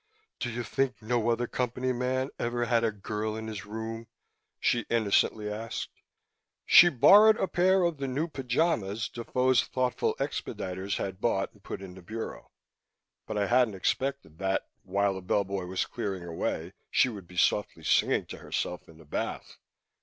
"Do you think no other Company man ever had a girl in his room?" she innocently asked. She borrowed a pair of the new pajamas Defoe's thoughtful expediters had bought and put in the bureau. But I hadn't expected that, while the bellboy was clearing away, she would be softly singing to herself in the bath.